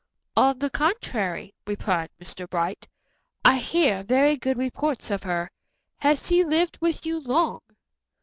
"On the contrary," replied Mr. Bright, "I hear very good reports of her. Has she lived with you long?"